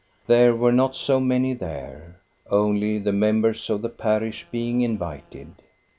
There were not so many there, only the members of the parish being invited.